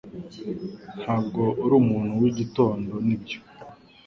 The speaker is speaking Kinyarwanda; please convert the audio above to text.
Ntabwo uri umuntu wigitondo nibyo